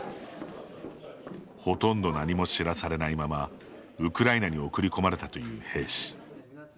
ほとんど何も知らされないままウクライナに送り込まれたという兵士。